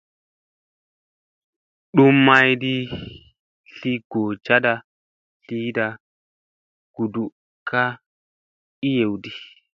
Dum maydi tli goo caɗa tliyɗa guɗuɗ ka naa eyew di.